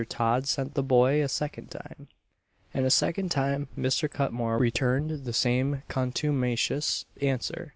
Todd sent the boy a second time, and a second time Mr. Cutmore returned the same contumacious answer.